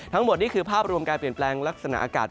ทั้งหมดนี่คือภาพรวมการเปลี่ยนแปลงลักษณะอากาศ